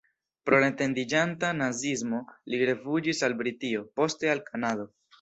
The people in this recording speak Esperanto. Pro la etendiĝanta naziismo li rifuĝis al Britio, poste al Kanado.